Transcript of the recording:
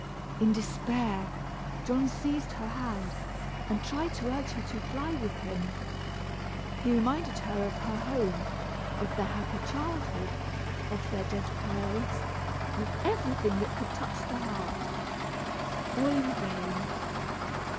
In despair, John seized her hand, and tried to urge her to fly with him. He reminded her of her home, of their happy childhood, of their dead parents, of everything that could touch the heart. All in vain!